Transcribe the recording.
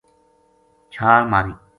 چھال ماری